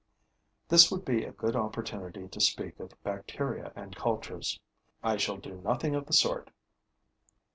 This would be a good opportunity to speak of bacteria and cultures. I shall do nothing of the sort.